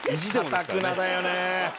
かたくなだよね。